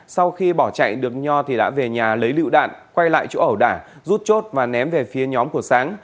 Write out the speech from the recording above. sau khi bỏ chạy được nho thì đã về nhà lấy lựu đạn quay lại chỗ ẩu đả rút chốt và ném về phía nhóm của sáng